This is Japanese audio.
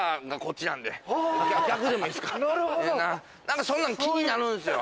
何かそんなん気になるんすよ！